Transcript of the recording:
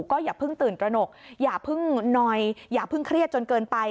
ก็อย่าเพิ่งตื่นตระหนกอย่าเพิ่งนอยอย่าเพิ่งเครียดจนเกินไป